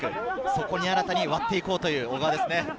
そこに新たに割って行こうという小川ですね。